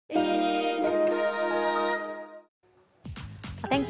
お天気